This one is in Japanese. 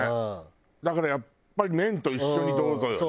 だからやっぱり麺と一緒にどうぞよね。